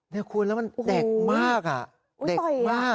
นี่คุณแล้วมันเด็กมากอ่ะ